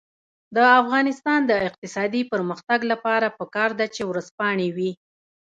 د افغانستان د اقتصادي پرمختګ لپاره پکار ده چې ورځپاڼې وي.